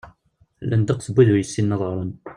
Llan ddeqs n wid ur yessinen ad ɣren.